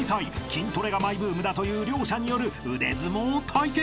［筋トレがマイブームだという両者による腕相撲対決］